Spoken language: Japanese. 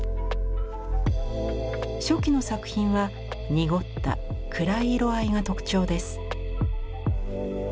初期の作品は濁った暗い色合いが特徴です。